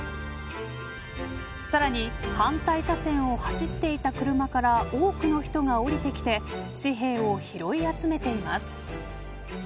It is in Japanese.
さらに反対車線を走っていた車から多くの人が降りてきて紙幣を拾い集めています。